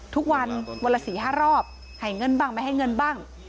ทุกวันวันละ๔๕รอบให้เงินบ้างไม่ให้เงินบ้าง